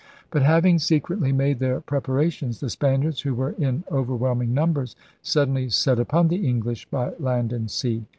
But, having secretly made their preparations, the Spaniards, who were in overwhelming numbers, suddenly set upon the English by land and sea.